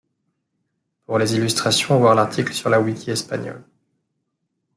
Pour les illustrations voir l'article sur la wiki espagnole.